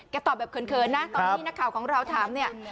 ตอบแบบเขินนะตอนที่นักข่าวของเราถามเนี่ย